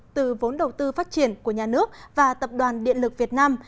từ vốn đầu tư phát triển của nhà nước và tập đoàn điện lực việt nam